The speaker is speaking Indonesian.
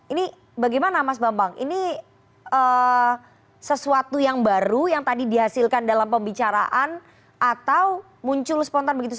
ini bagaimana mas bambang ini sesuatu yang baru yang tadi dihasilkan dalam pembicaraan atau muncul spontan begitu